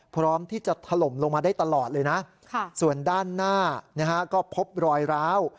พร้อมที่จะถล่มลงมาได้ตลอดเลยนะส่วนด้านหน้าก็พบรอยร้าว